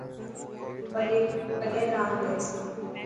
وڙي ڪڏهن راند رحسان.